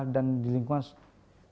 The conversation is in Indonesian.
dan di lingkungan sekitar